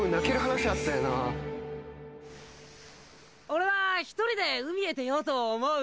俺は一人で海へ出ようと思う。